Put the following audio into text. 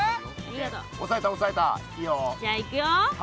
じゃあいくよ。